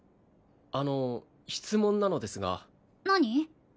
あの質問なのですが何？